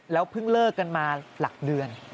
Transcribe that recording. เพิ่งเลิกกันมาหลักเดือน